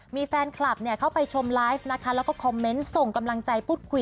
มีแฟนคลับเข้าไปชมไลฟ์นะคะแล้วก็คอมเมนต์ส่งกำลังใจพูดคุย